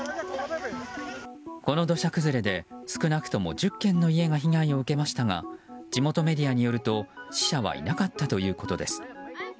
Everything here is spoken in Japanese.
この土砂崩れで少なくとも１０軒の家が被害に遭いましたが地元メディアによると死者はいなかったということです。